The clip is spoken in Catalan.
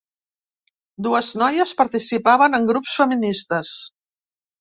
Dues noies participaven en grups feministes.